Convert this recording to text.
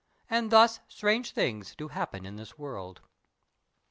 And thus strange things do happen in this world.